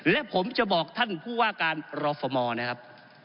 และผมจะบอกท่านผู้ว่าการรฟมนะครับ